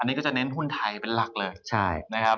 นี่ก็จะเน้นหุ้นไทยเป็นหลักเลยนะครับ